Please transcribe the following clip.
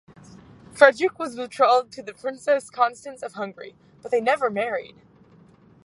Frederick was betrothed to the princess Constance of Hungary, but they never married.